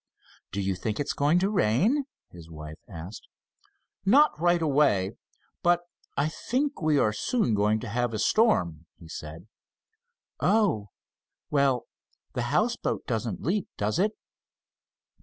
"Do you think it's going to rain?" his wife asked. "Not right away, but I think we are soon going to have a storm," he said. "Oh, well, the houseboat doesn't leak, does it?"